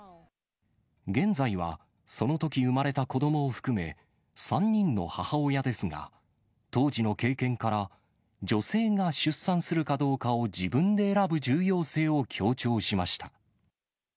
現在は、そのとき産まれた子どもを含め、３人の母親ですが、当時の経験から、女性が出産するかどうかを自分で選ぶ重要性を強調しました。